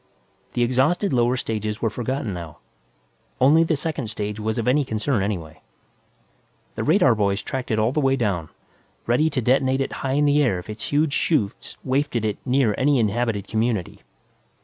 The exhausted lower stages were forgotten now; only the second stage was of any concern anyway. The radar boys tracked it all the way down, ready to detonate it high in the air if its huge 'chutes wafted it near any inhabited community.